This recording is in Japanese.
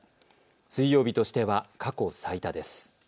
水曜日としては過去最多です。